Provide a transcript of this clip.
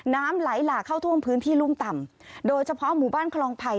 น้ำไหลหลากเข้าท่วมพื้นที่รุ่มต่ำโดยเฉพาะหมู่บ้านคลองไผ่